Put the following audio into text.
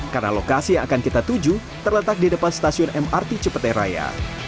karena lokasi yang akan kita tuju terletak di depan stasiun mrt cepete raya